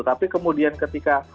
tapi kemudian ketika